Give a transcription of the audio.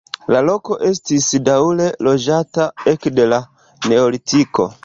La loko estis daŭre loĝata ekde la neolitiko.